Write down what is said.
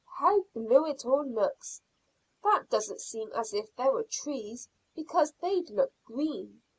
How blue it all looks! That doesn't seem as if there were trees, because they'd look green.